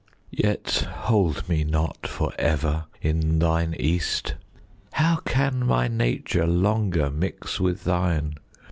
Yet hold me not for ever in thine East: How can my nature longer mix with thine?